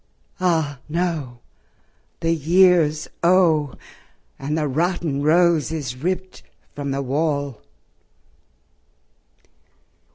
. Ah, no; the years O! And the rotten rose is ript from the wall.